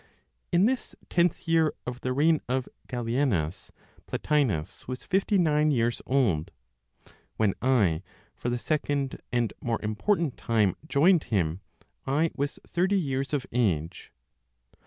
In this tenth year of the reign of Gallienus, Plotinos was fifty nine years old. When I (for the second, and more important time) joined him, I was thirty years of age.